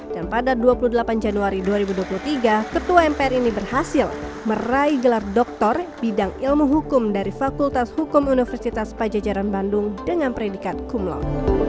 dan pada dua puluh delapan januari dua ribu dua puluh tiga ketua mpr ini berhasil meraih gelar doktor bidang ilmu hukum dari fakultas hukum universitas pajajaran bandung dengan predikat kumlau